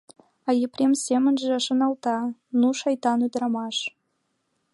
А Епрем семынже шоналта: «Ну шайтан ӱдырамаш!